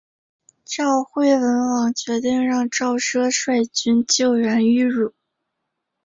赵惠文王决定让赵奢率军救援阏与。